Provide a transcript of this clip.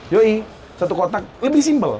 yoi satu kotak lebih simple